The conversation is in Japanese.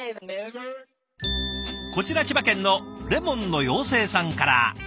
こちら千葉県のレモンの妖精さんから。